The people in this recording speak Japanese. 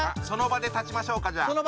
その場で立ちましょうかじゃあ。